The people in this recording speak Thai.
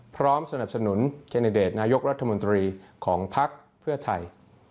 พร้อมสนับสนุนแคนดิเดตนายกรัฐมนตรีของภักดิ์เพื่อไทย